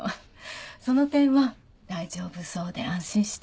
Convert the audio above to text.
その点は大丈夫そうで安心した。